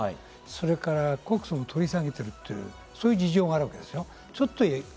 それから告訴も取り下げている、そういう事情があるわけでしょ？